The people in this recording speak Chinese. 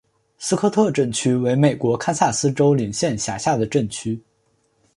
斯科特镇区为美国堪萨斯州林县辖下的镇区。